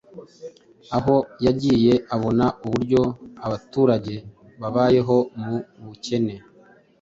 aho yagiye abona uburyo abaturage babayeho mu bukene,